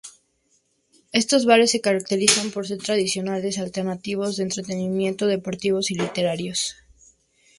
Estos bares se caracterizan por ser tradicionales, alternativos, de entretenimientos, deportivos o literarios.